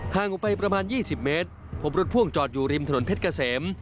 ออกไปประมาณ๒๐เมตรพบรถพ่วงจอดอยู่ริมถนนเพชรเกษม